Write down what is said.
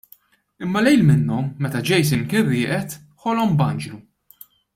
Imma lejl minnhom, meta Jason kien rieqed, ħolom b'Anġlu.